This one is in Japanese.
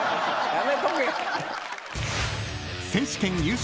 やめとけ。